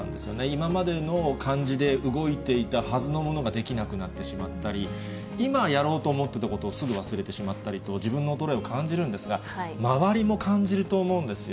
今までの感じで動いていたはずのものができなくなってしまったり、今やろうと思ってたことをすぐ忘れてしまったりと、自分の衰えを感じるんですが、周りも感じると思うんですよ。